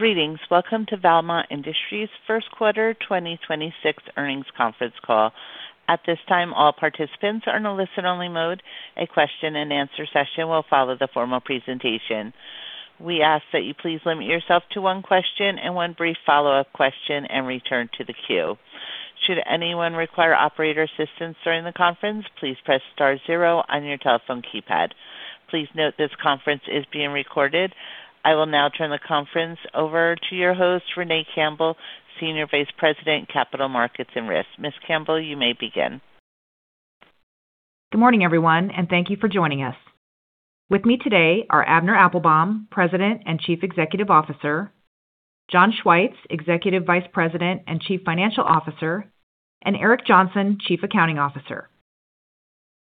Greetings. Welcome to Valmont Industries' first quarter 2026 earnings conference call. At this time, all participants are in a listen-only mode. A question-and-answer session will follow the formal presentation. We ask that you please limit yourself to one question and one brief follow-up question and return to the queue. Should anyone require operator assistance during the conference, please press star zero on your telephone keypad. Please note this conference is being recorded. I will now turn the conference over to your host, Renee Campbell, Senior Vice President, Capital Markets & Risk. Ms. Campbell, you may begin. Good morning, everyone, and thank you for joining us. With me today are Avner Applbaum, President and Chief Executive Officer, John Schwietz, Executive Vice President and Chief Financial Officer, and Eric Johnson, Chief Accounting Officer.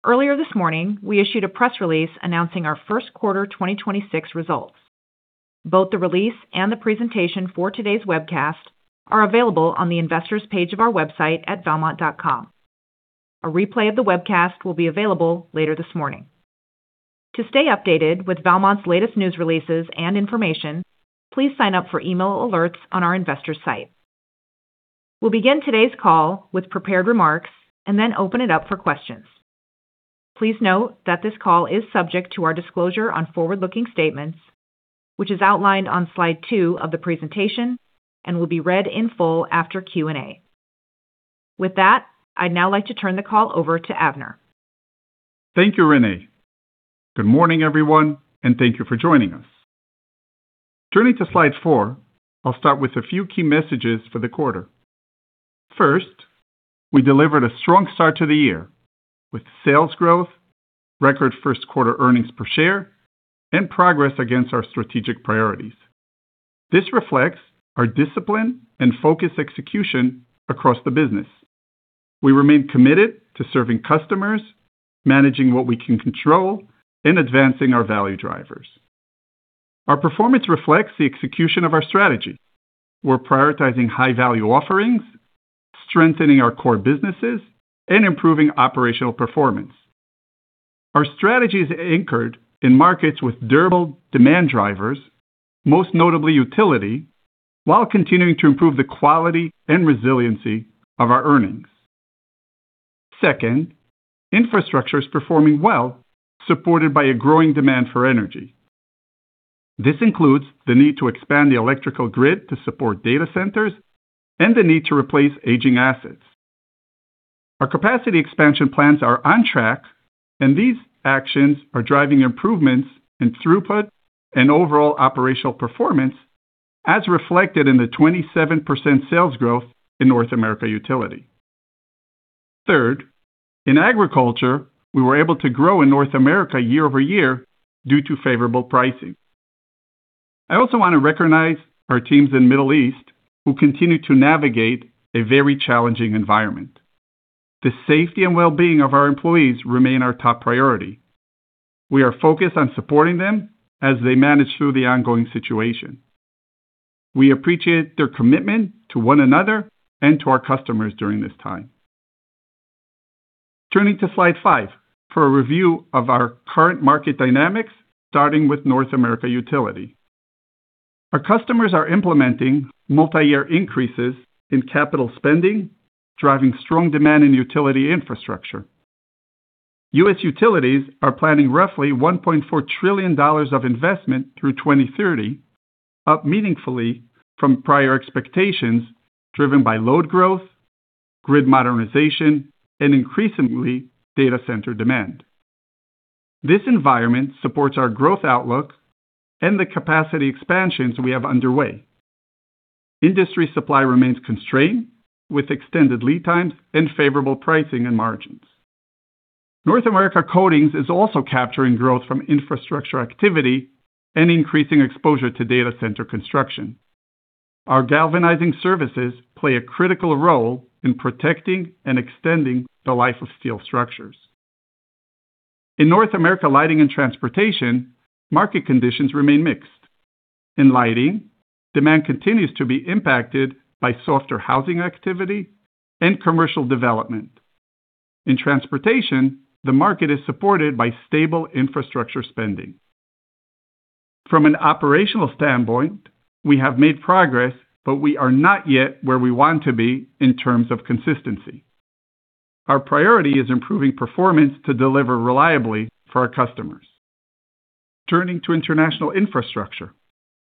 Earlier this morning, we issued a press release announcing our first quarter 2026 results. Both the release and the presentation for today's webcast are available on the investors page of our website at valmont.com. A replay of the webcast will be available later this morning. To stay updated with Valmont's latest news releases and information, please sign up for email alerts on our investor site. We'll begin today's call with prepared remarks and then open it up for questions. Please note that this call is subject to our disclosure on forward-looking statements, which is outlined on slide two of the presentation and will be read in full after Q&A. With that, I'd now like to turn the call over to Avner. Thank you, Renee. Good morning, everyone, and thank you for joining us. Turning to slide four, I'll start with a few key messages for the quarter. First, we delivered a strong start to the year with sales growth, record first quarter earnings per share, and progress against our strategic priorities. This reflects our discipline and focused execution across the business. We remain committed to serving customers, managing what we can control, and advancing our value drivers. Our performance reflects the execution of our strategy. We're prioritizing high-value offerings, strengthening our core businesses, and improving operational performance. Our strategy is anchored in markets with durable demand drivers, most notably utility, while continuing to improve the quality and resiliency of our earnings. Second, Infrastructure is performing well, supported by a growing demand for energy. This includes the need to expand the electrical grid to support data centers and the need to replace aging assets. Our capacity expansion plans are on track, and these actions are driving improvements in throughput and overall operational performance, as reflected in the 27% sales growth in North America Utility. Third, in Agriculture, we were able to grow in North America year-over-year due to favorable pricing. I also want to recognize our teams in Middle East, who continue to navigate a very challenging environment. The safety and wellbeing of our employees remain our top priority. We are focused on supporting them as they manage through the ongoing situation. We appreciate their commitment to one another and to our customers during this time. Turning to slide five for a review of our current market dynamics, starting with North America Utility. Our customers are implementing multi-year increases in capital spending, driving strong demand in utility infrastructure. U.S. utilities are planning roughly $1.4 trillion of investment through 2030, up meaningfully from prior expectations driven by load growth, grid modernization, and increasingly, data center demand. This environment supports our growth outlook and the capacity expansions we have underway. Industry supply remains constrained, with extended lead times and favorable pricing and margins. North America Coatings is also capturing growth from Infrastructure activity and increasing exposure to data center construction. Our galvanizing services play a critical role in protecting and extending the life of steel structures. In North America Lighting and Transportation, market conditions remain mixed. In lighting, demand continues to be impacted by softer housing activity and commercial development. In transportation, the market is supported by stable Infrastructure spending. From an operational standpoint, we have made progress, but we are not yet where we want to be in terms of consistency. Our priority is improving performance to deliver reliably for our customers. Turning International Infrastructure.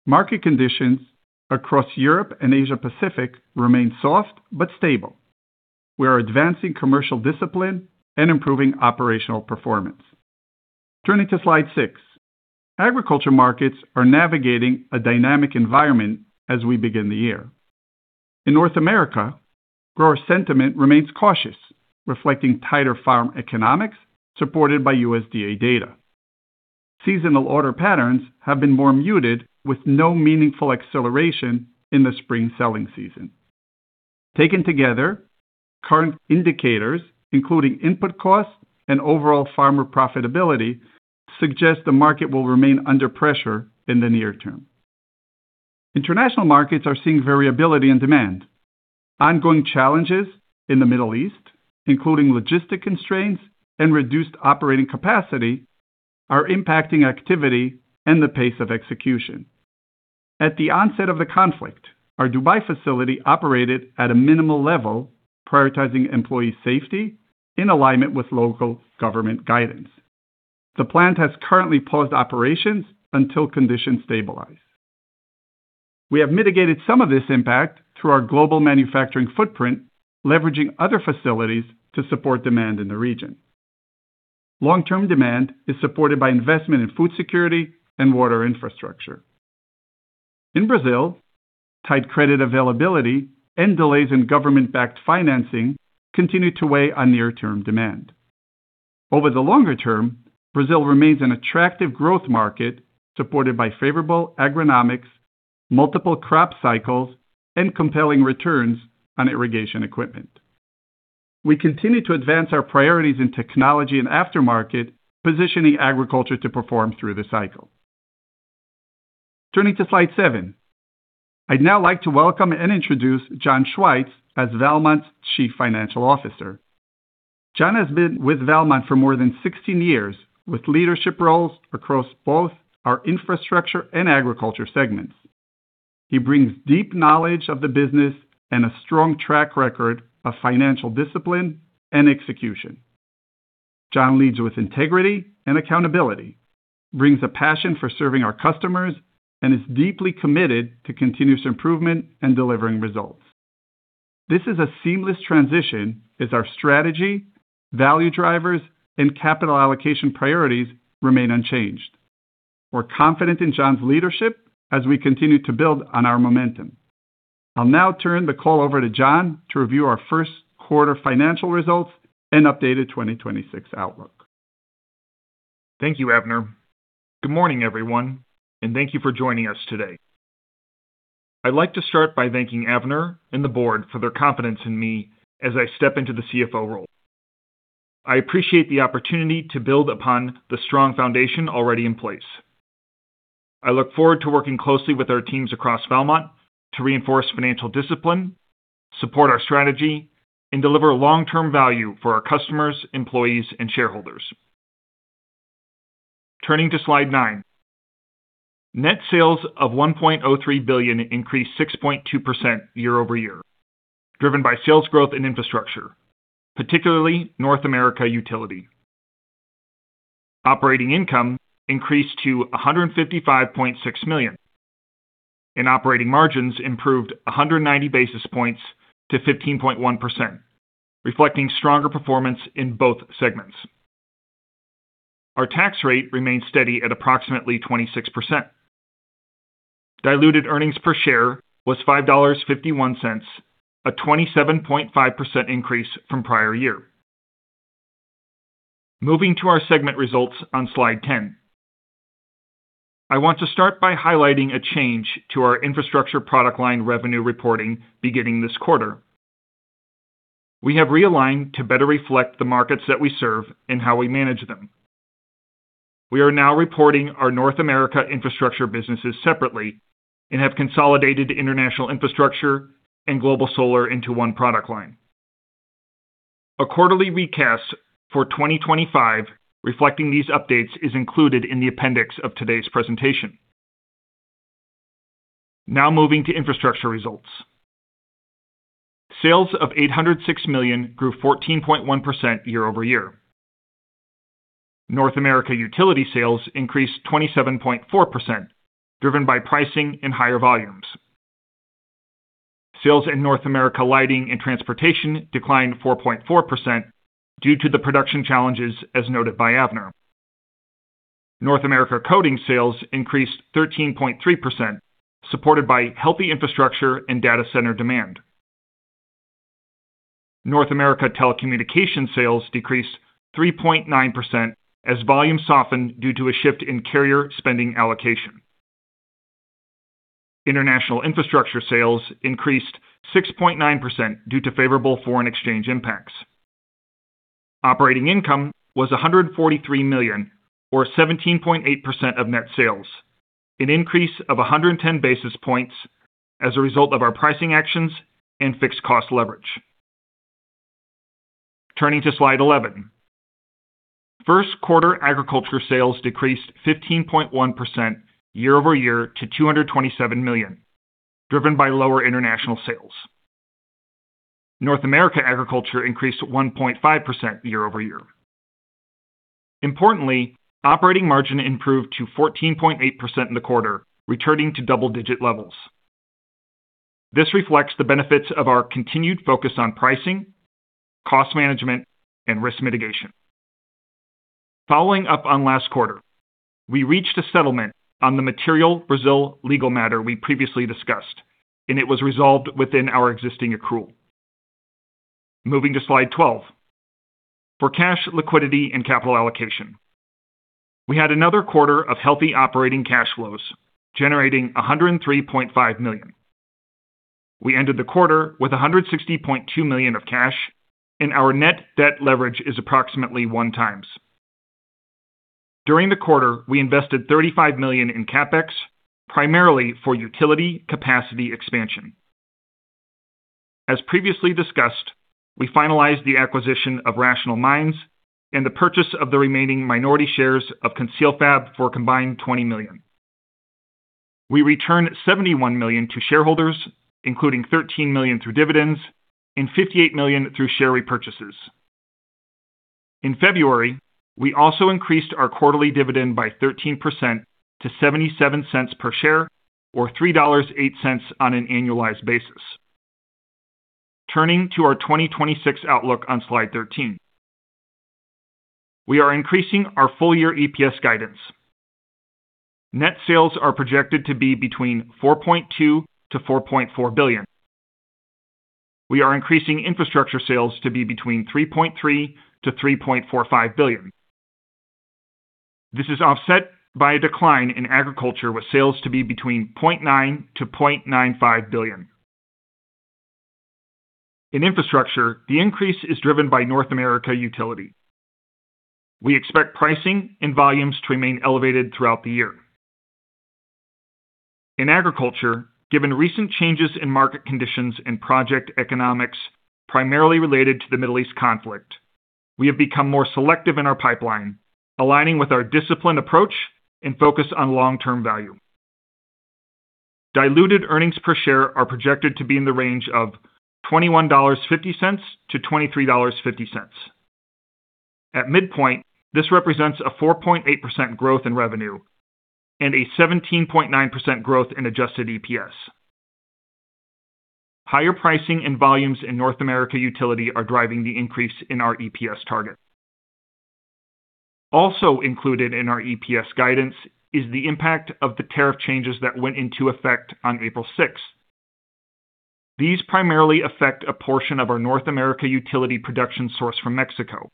market conditions across Europe and Asia Pacific remain soft but stable. We are advancing commercial discipline and improving operational performance. Turning to slide six. Agriculture markets are navigating a dynamic environment as we begin the year. In North America, grower sentiment remains cautious, reflecting tighter farm economics supported by USDA data. Seasonal order patterns have been more muted, with no meaningful acceleration in the spring selling season. Taken together, current indicators, including input costs and overall farmer profitability, suggest the market will remain under pressure in the near term. International markets are seeing variability in demand. Ongoing challenges in the Middle East, including logistic constraints and reduced operating capacity, are impacting activity and the pace of execution. At the onset of the conflict, our Dubai facility operated at a minimal level, prioritizing employee safety in alignment with local government guidance. The plant has currently paused operations until conditions stabilize. We have mitigated some of this impact through our global manufacturing footprint, leveraging other facilities to support demand in the region. Long-term demand is supported by investment in food security and water Infrastructure. In Brazil, tight credit availability and delays in government-backed financing continue to weigh on near-term demand. Over the longer term, Brazil remains an attractive growth market supported by favorable agronomics, multiple crop cycles, and compelling returns on irrigation equipment. We continue to advance our priorities in technology and aftermarket, positioning Agriculture to perform through the cycle. Turning to slide seven. I'd now like to welcome and introduce John Schwietz as Valmont's Chief Financial Officer. John has been with Valmont for more than 16 years, with leadership roles across both our Infrastructure and Agriculture segments. He brings deep knowledge of the business and a strong track record of financial discipline and execution. John leads with integrity and accountability, brings a passion for serving our customers, and is deeply committed to continuous improvement and delivering results. This is a seamless transition as our strategy, value drivers, and capital allocation priorities remain unchanged. We're confident in John's leadership as we continue to build on our momentum. I'll now turn the call over to John to review our first quarter financial results and updated 2026 outlook. Thank you, Avner. Good morning, everyone, and thank you for joining us today. I'd like to start by thanking Avner and the board for their confidence in me as I step into the CFO role. I appreciate the opportunity to build upon the strong foundation already in place. I look forward to working closely with our teams across Valmont to reinforce financial discipline, support our strategy, and deliver long-term value for our customers, employees, and shareholders. Turning to slide nine. Net sales of $1.03 billion increased 6.2% year-over-year, driven by sales growth in Infrastructure, particularly North America Utility. Operating income increased to $155.6 million, and operating margins improved 190 basis points to 15.1%, reflecting stronger performance in both segments. Our tax rate remained steady at approximately 26%. Diluted earnings per share was $5.51, a 27.5% increase from prior year. Moving to our segment results on slide 10. I want to start by highlighting a change to our Infrastructure product line revenue reporting beginning this quarter. We have realigned to better reflect the markets that we serve and how we manage them. We are now reporting our North America Infrastructure businesses separately and have International Infrastructure and Global Solar into one product line. A quarterly recast for 2025 reflecting these updates is included in the appendix of today's presentation. Now moving to Infrastructure results. Sales of $806 million grew 14.1% year-over-year. North America Utility sales increased 27.4%, driven by pricing and higher volumes. Sales in North America Lighting and Transportation declined 4.4% due to the production challenges as noted by Avner. North America Coatings sales increased 13.3%, supported by healthy Infrastructure and data center demand. North America Telecommunications sales decreased 3.9% as volume softened due to a shift in carrier spending allocation. International Infrastructure sales increased 6.9% due to favorable foreign exchange impacts. Operating income was $143 million, or 17.8% of net sales, an increase of 110 basis points as a result of our pricing actions and fixed cost leverage. Turning to slide 11. First quarter Agriculture sales decreased 15.1% year-over-year to $227 million, driven by lower international sales. North America Agriculture increased 1.5% year-over-year. Importantly, operating margin improved to 14.8% in the quarter, returning to double-digit levels. This reflects the benefits of our continued focus on pricing, cost management, and risk mitigation. Following up on last quarter, we reached a settlement on the material Brazil legal matter we previously discussed, and it was resolved within our existing accrual. Moving to slide 12. For cash liquidity and capital allocation, we had another quarter of healthy operating cash flows, generating $103.5 million. We ended the quarter with $160.2 million of cash, and our net debt leverage is approximately 1x. During the quarter, we invested $35 million in CapEx, primarily for utility capacity expansion. As previously discussed, we finalized the acquisition of Rational Minds and the purchase of the remaining minority shares of ConcealFab for a combined $20 million. We returned $71 million to shareholders, including $13 million through dividends and $58 million through share repurchases. In February, we also increased our quarterly dividend by 13% to $0.77 per share or $3.08 on an annualized basis. Turning to our 2026 outlook on slide 13. We are increasing our full year EPS guidance. Net sales are projected to be $4.2 billion-$4.4 billion. We are increasing Infrastructure sales to be $3.3 billion-$3.45 billion. This is offset by a decline in Agriculture, with sales to be between $0.9 billion-$0.95 billion. In Infrastructure, the increase is driven by North America Utility. We expect pricing and volumes to remain elevated throughout the year. In Agriculture, given recent changes in market conditions and project economics primarily related to the Middle East conflict, we have become more selective in our pipeline, aligning with our disciplined approach and focus on long-term value. Diluted earnings per share are projected to be in the range of $21.50-$23.50. At midpoint, this represents a 4.8% growth in revenue and a 17.9% growth in adjusted EPS. Higher pricing and volumes in North America Utility are driving the increase in our EPS target. Also included in our EPS guidance is the impact of the tariff changes that went into effect on April 6th. These primarily affect a portion of our North America Utility production source from Mexico.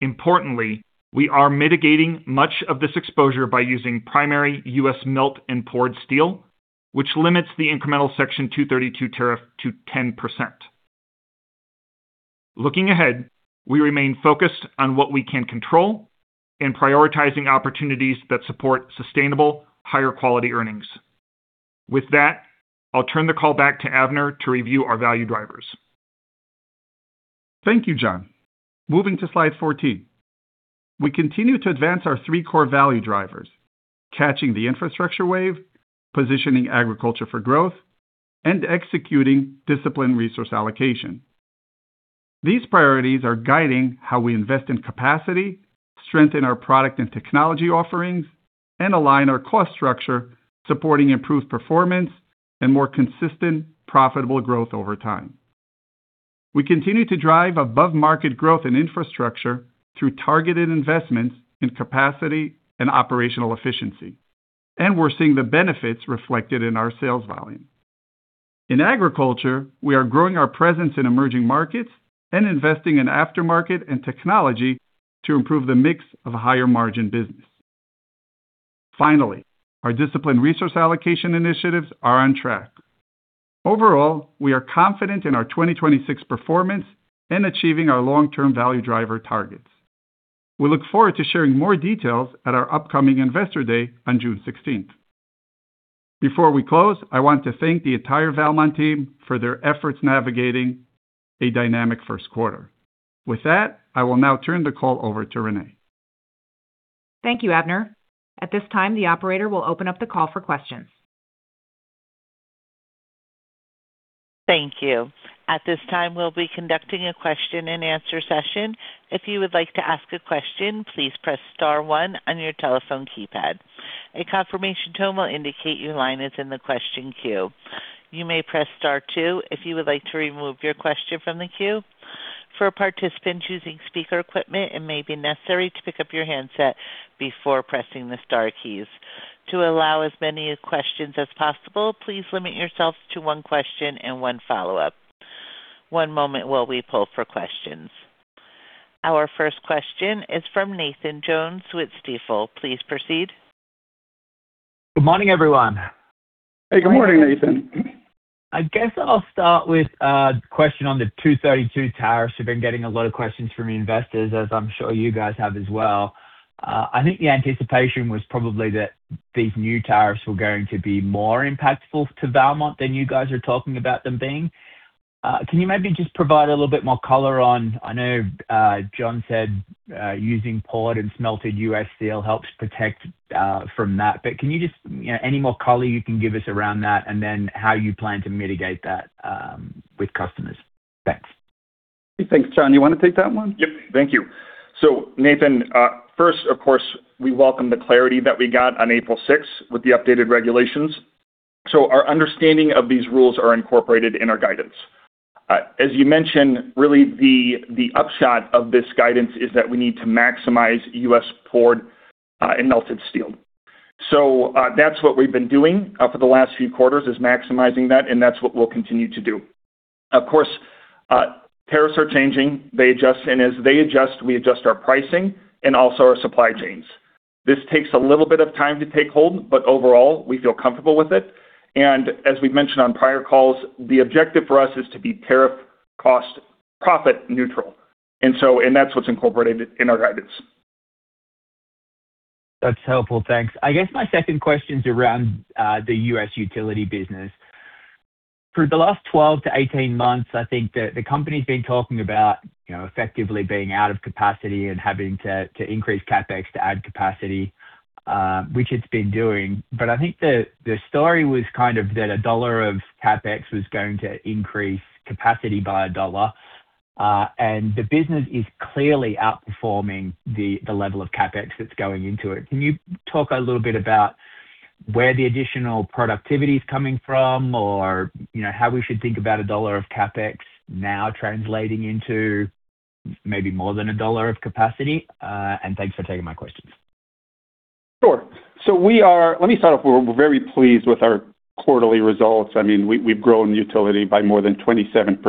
Importantly, we are mitigating much of this exposure by using primary U.S. melt and poured steel, which limits the incremental Section 232 tariff to 10%. Looking ahead, we remain focused on what we can control and prioritizing opportunities that support sustainable higher quality earnings. With that, I'll turn the call back to Avner to review our value drivers. Thank you, John. Moving to slide 14. We continue to advance our three core value drivers, catching the Infrastructure wave, positioning Agriculture for growth, and executing disciplined resource allocation. These priorities are guiding how we invest in capacity, strengthen our product and technology offerings, and align our cost structure, supporting improved performance and more consistent, profitable growth over time. We continue to drive above-market growth in Infrastructure through targeted investments in capacity and operational efficiency, and we're seeing the benefits reflected in our sales volume. In Agriculture, we are growing our presence in emerging markets and investing in aftermarket and technology to improve the mix of higher margin business. Finally, our disciplined resource allocation initiatives are on track. Overall, we are confident in our 2026 performance and achieving our long-term value driver targets. We look forward to sharing more details at our upcoming Investor Day on June 16. Before we close, I want to thank the entire Valmont team for their efforts navigating a dynamic first quarter. With that, I will now turn the call over to Renee. Thank you, Avner. At this time, the operator will open up the call for questions. Thank you. At this time, we'll be conducting a question and answer session. If you would like to ask a question, please press star one on your telephone keypad. A confirmation tone will indicate your line is in the question queue. You may press star two if you would like to remove your question from the queue. For participants using speaker equipment, it may be necessary to pick up your handset before pressing the star keys. To allow as many questions as possible, please limit yourself to one question and one follow-up. One moment while we poll for questions. Our first question is from Nathan Jones with Stifel. Please proceed. Good morning, everyone. Hey, good morning, Nathan. I guess I'll start with a question on the 232 tariffs. We've been getting a lot of questions from investors, as I'm sure you guys have as well. I think the anticipation was probably that these new tariffs were going to be more impactful to Valmont than you guys are talking about them being. Can you maybe just provide a little bit more color on I know John said using poured and smelted U.S. steel helps protect from that, but can you just any more color you can give us around that, and then how you plan to mitigate that with customers? Thanks. Thanks. John, you want to take that one? Yep. Thank you. Nathan, first, of course, we welcome the clarity that we got on April 6th with the updated regulations. Our understanding of these rules are incorporated in our guidance. As you mentioned, really the upshot of this guidance is that we need to maximize U.S. poured and melted steel. That's what we've been doing for the last few quarters, is maximizing that, and that's what we'll continue to do. Of course, tariffs are changing. They adjust, and as they adjust, we adjust our pricing and also our supply chains. This takes a little bit of time to take hold, but overall, we feel comfortable with it. As we've mentioned on prior calls, the objective for us is to be tariff cost profit neutral. That's what's incorporated in our guidance. That's helpful. Thanks. I guess my second question's around the U.S. Utility business. For the last 12-18 months, I think the company's been talking about effectively being out of capacity and having to increase CapEx to add capacity, which it's been doing. I think the story was kind of that $1 of CapEx was going to increase capacity by $1. The business is clearly outperforming the level of CapEx that's going into it. Can you talk a little bit about where the additional productivity's coming from or how we should think about $1 of CapEx now translating into maybe more than $1 of capacity? Thanks for taking my questions. Sure. Let me start off, we're very pleased with our quarterly results. We've grown Utility by more than 27%.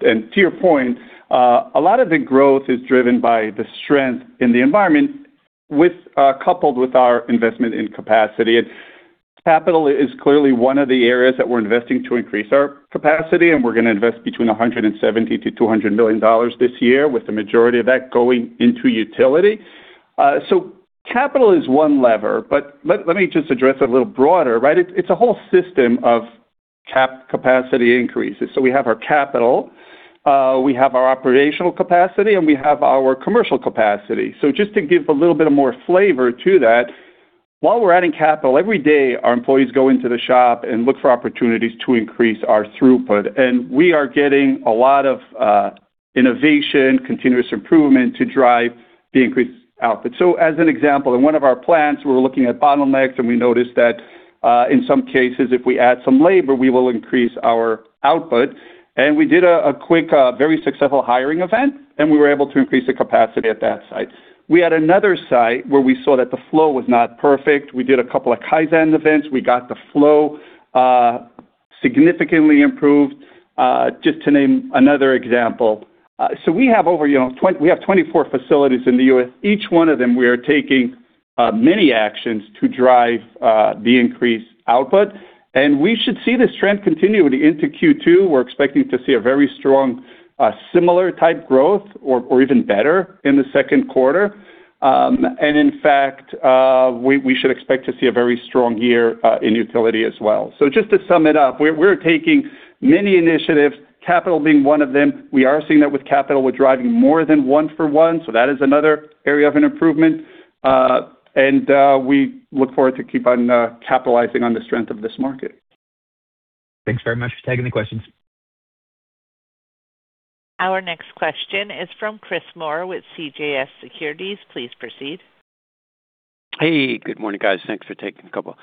To your point, a lot of the growth is driven by the strength in the environment coupled with our investment in capacity. Capital is clearly one of the areas that we're investing to increase our capacity, and we're going to invest between $170 million-$200 million this year, with the majority of that going into Utility. Capital is one lever, but let me just address a little broader, right? It's a whole system of capacity increases. We have our capital, we have our operational capacity, and we have our commercial capacity. Just to give a little bit of more flavor to that, while we're adding capital, every day, our employees go into the shop and look for opportunities to increase our throughput. We are getting a lot of innovation, continuous improvement to drive the increased output. As an example, in one of our plants, we were looking at bottlenecks, and we noticed that, in some cases, if we add some labor, we will increase our output. We did a quick, very successful hiring event, and we were able to increase the capacity at that site. We had another site where we saw that the flow was not perfect. We did a couple of Kaizen events. We got the flow significantly improved, just to name another example. We have 24 facilities in the U.S. Each one of them, we are taking many actions to drive the increased output. We should see this trend continue into Q2. We're expecting to see a very strong, similar type growth or even better in the second quarter. In fact, we should expect to see a very strong year in Utility as well. Just to sum it up, we're taking many initiatives, capital being one of them. We are seeing that with capital, we're driving more than one for one, so that is another area of an improvement. We look forward to keep on capitalizing on the strength of this market. Thanks very much for taking the questions. Our next question is from Chris Moore with CJS Securities. Please proceed. Hey, good morning, guys. Thanks for taking a couple.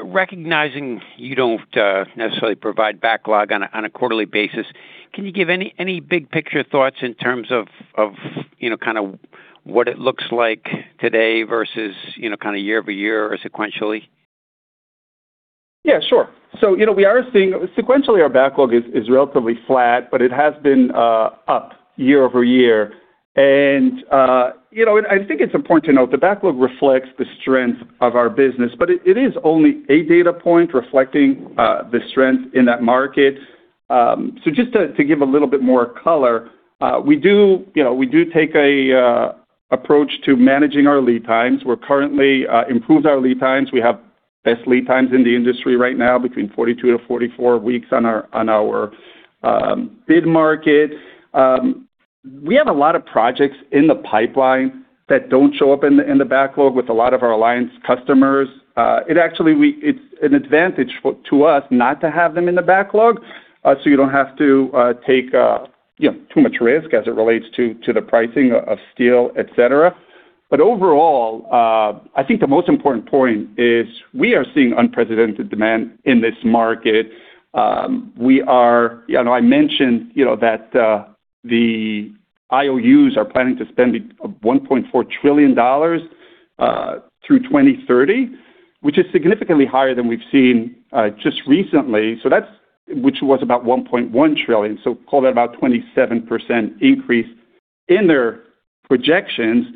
Recognizing you don't necessarily provide backlog on a quarterly basis, can you give any big picture thoughts in terms of what it looks like today versus year-over-year or sequentially? Yeah, sure. Sequentially, our backlog is relatively flat, but it has been up year-over-year. I think it's important to note the backlog reflects the strength of our business, but it is only a data point reflecting the strength in that market. Just to give a little bit more color, we do take an approach to managing our lead times. We've currently improved our lead times. We have best lead times in the industry right now, between 42 weeks-44 weeks on our bid market. We have a lot of projects in the pipeline that don't show up in the backlog with a lot of our alliance customers. It's an advantage to us not to have them in the backlog, so you don't have to take too much risk as it relates to the pricing of steel, et cetera. Overall, I think the most important point is we are seeing unprecedented demand in this market. I mentioned that the IOUs are planning to spend $1.4 trillion through 2030, which is significantly higher than we've seen just recently, which was about $1.1 trillion. Call that about 27% increase in their projections.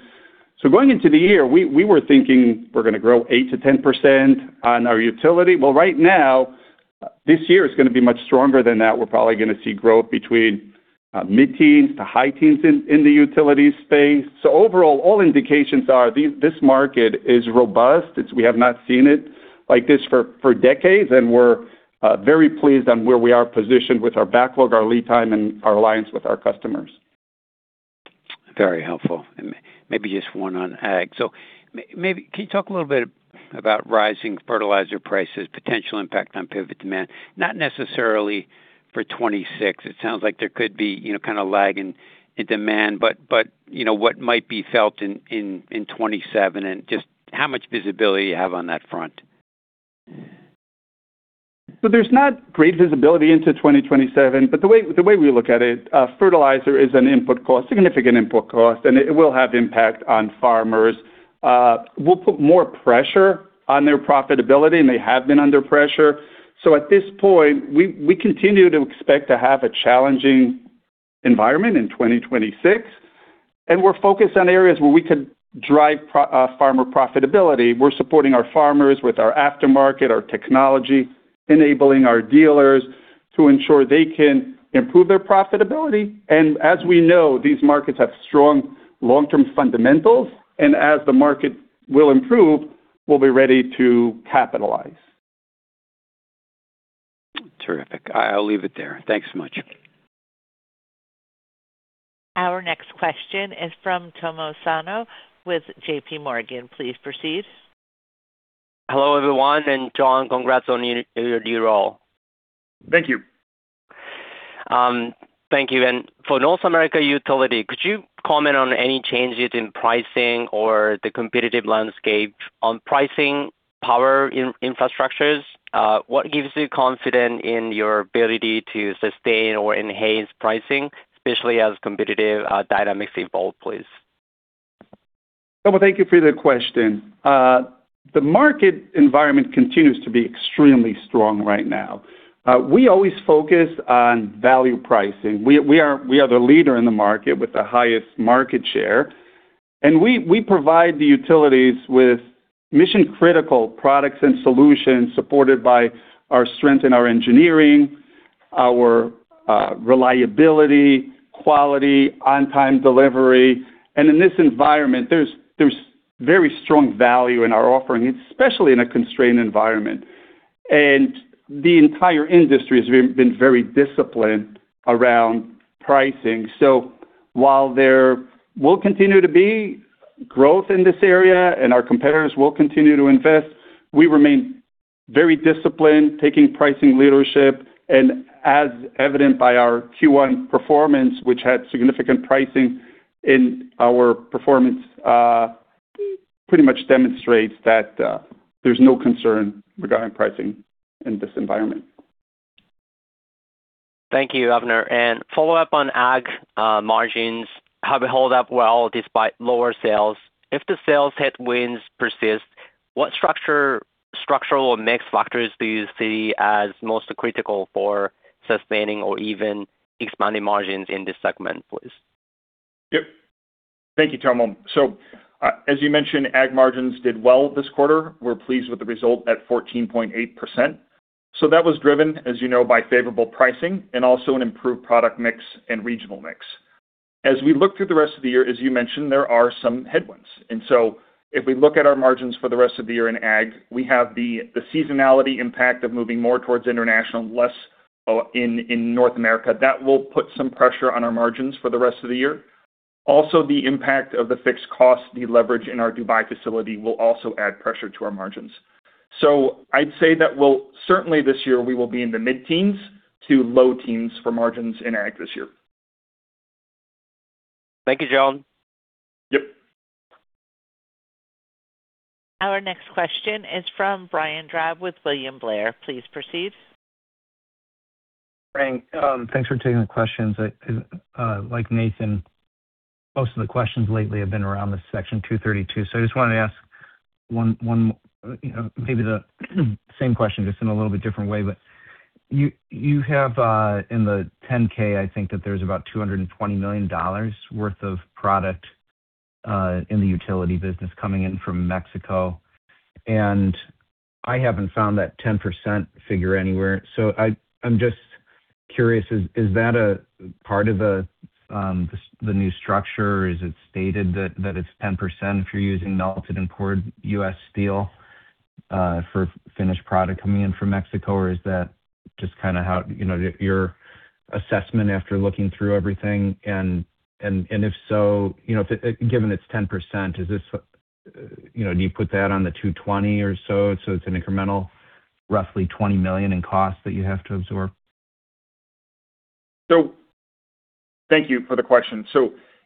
Going into the year, we were thinking we're going to grow 8%-10% on our Utility. Well, right now, this year is going to be much stronger than that. We're probably going to see growth between mid-teens to high teens in the Utility space. Overall, all indications are this market is robust. We have not seen it like this for decades, and we're very pleased on where we are positioned with our backlog, our lead time, and our alliance with our customers. Very helpful. Maybe just one on ag. Can you talk a little bit about rising fertilizer prices, potential impact on pivot demand? Not necessarily for 2026. It sounds like there could be kind of lag in demand, but what might be felt in 2027, and just how much visibility you have on that front? There's not great visibility into 2027. The way we look at it, fertilizer is an input cost, significant input cost, and it will have impact on farmers, will put more pressure on their profitability, and they have been under pressure. At this point, we continue to expect to have a challenging environment in 2026. We're focused on areas where we could drive farmer profitability. We're supporting our farmers with our aftermarket, our technology, enabling our dealers to ensure they can improve their profitability. As we know, these markets have strong long-term fundamentals. As the market will improve, we'll be ready to capitalize. Terrific. I'll leave it there. Thanks so much. Our next question is from Tomo Sano with JPMorgan. Please proceed. Hello, everyone, and John, congrats on your new role. Thank you. Thank you. For North America Utility, could you comment on any changes in pricing or the competitive landscape on pricing power Infrastructures? What gives you confidence in your ability to sustain or enhance pricing, especially as competitive dynamics evolve, please? Tomo, thank you for the question. The market environment continues to be extremely strong right now. We always focus on value pricing. We are the leader in the market with the highest market share, and we provide the utilities with mission-critical products and solutions supported by our strength in our engineering, our reliability, quality, on-time delivery. In this environment, there's very strong value in our offering, especially in a constrained environment. The entire industry has been very disciplined around pricing. While there will continue to be growth in this area and our competitors will continue to invest, we remain very disciplined, taking pricing leadership. As evident by our Q1 performance, which had significant pricing in our performance, pretty much demonstrates that there's no concern regarding pricing in this environment. Thank you, Avner. A follow-up on Ag margins have held up well despite lower sales. If the sales headwinds persist, what structural or mix factors do you see as most critical for sustaining or even expanding margins in this segment, please? Yep. Thank you, Tomo. As you mentioned, Ag margins did well this quarter. We're pleased with the result at 14.8%. That was driven, as you know, by favorable pricing and also an improved product mix and regional mix. As we look through the rest of the year, as you mentioned, there are some headwinds. If we look at our margins for the rest of the year in Ag, we have the seasonality impact of moving more towards international, less in North America. That will put some pressure on our margins for the rest of the year. Also, the impact of the fixed cost, the leverage in our Dubai facility will also add pressure to our margins. I'd say that certainly this year we will be in the mid-teens to low teens for margins in Ag this year. Thank you, John. Yep. Our next question is from Brian Drab with William Blair. Please proceed. Thanks for taking the questions. Like Nathan, most of the questions lately have been around this Section 232. I just wanted to ask maybe the same question, just in a little bit different way. You have, in the 10-K, I think that there's about $220 million worth of product in the Utility business coming in from Mexico, and I haven't found that 10% figure anywhere. I'm just curious, is that a part of the new structure? Is it stated that it's 10% if you're using melted and poured U.S. steel for finished product coming in from Mexico? Or is that just kind of your assessment after looking through everything? And if so, given it's 10%, do you put that on the $220 million or so, it's an incremental roughly $20 million in costs that you have to absorb? Thank you for the question.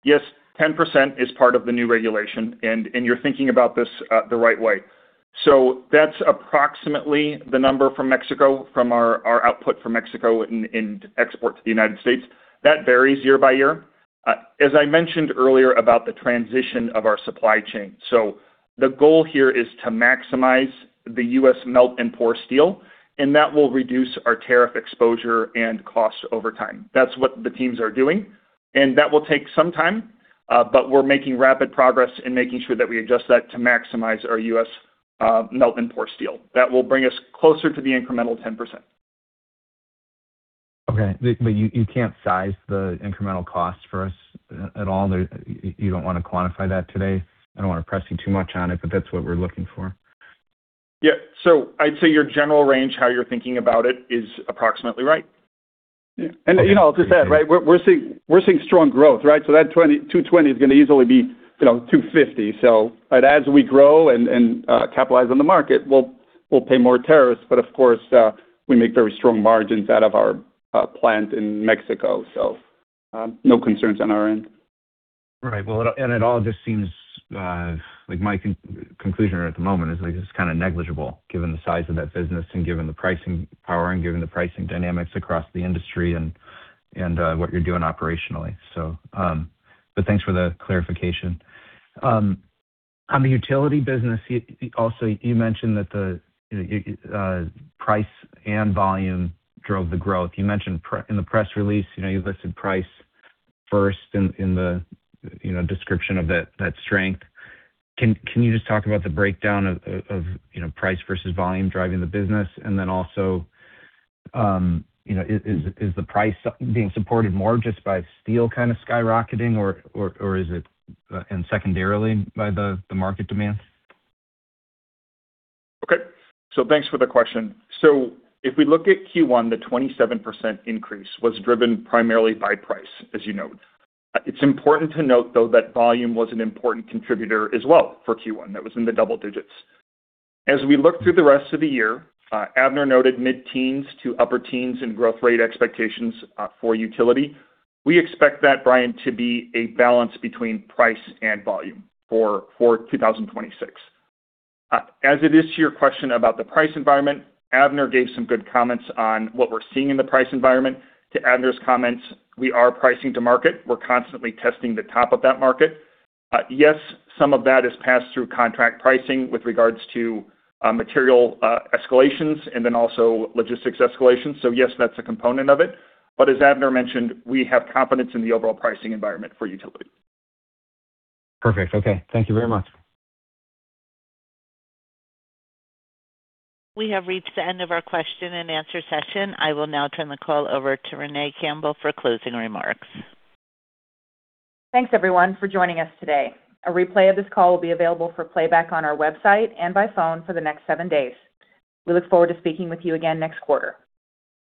Yes, 10% is part of the new regulation, and you're thinking about this the right way. That's approximately the number from Mexico, from our output from Mexico and export to the United States. That varies year by year. As I mentioned earlier about the transition of our supply chain. The goal here is to maximize the U.S. melt and pour steel, and that will reduce our tariff exposure and costs over time. That's what the teams are doing, and that will take some time, but we're making rapid progress in making sure that we adjust that to maximize our U.S. melt and pour steel. That will bring us closer to the incremental 10%. Okay. You can't size the incremental cost for us at all? You don't want to quantify that today? I don't want to press you too much on it, but that's what we're looking for. Yeah. I'd say your general range, how you're thinking about it, is approximately right. I'll just add, we're seeing strong growth. That $220 million is going to easily be $250 million. As we grow and capitalize on the market, we'll pay more tariffs. Of course, we make very strong margins out of our plant in Mexico. No concerns on our end. Right. Well, it all just seems like my conclusion at the moment is it's kind of negligible given the size of that business and given the pricing power and given the pricing dynamics across the industry and what you're doing operationally. Thanks for the clarification. On the Utility business, also, you mentioned that the price and volume drove the growth. You mentioned in the press release, you listed price first in the description of that strength. Can you just talk about the breakdown of price versus volume driving the business? Then also, is the price being supported more just by steel kind of skyrocketing, and secondarily by the market demand? Okay. Thanks for the question. If we look at Q1, the 27% increase was driven primarily by price, as you note. It's important to note, though, that volume was an important contributor as well for Q1. That was in the double digits. As we look through the rest of the year, Avner noted mid-teens to upper teens in growth rate expectations for Utility. We expect that, Brian, to be a balance between price and volume for 2026. As to your question about the price environment, Avner gave some good comments on what we're seeing in the price environment. To Avner's comments, we are pricing to market. We're constantly testing the top of that market. Yes, some of that is passed through contract pricing with regards to material escalations and then also logistics escalations. Yes, that's a component of it. As Avner mentioned, we have confidence in the overall pricing environment for Utility. Perfect. Okay. Thank you very much. We have reached the end of our question and answer session. I will now turn the call over to Renee Campbell for closing remarks. Thanks, everyone, for joining us today. A replay of this call will be available for playback on our website and by phone for the next seven days. We look forward to speaking with you again next quarter.